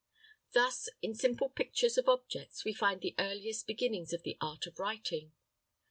Thus, in simple pictures of objects, we find the earliest beginnings of the art of writing.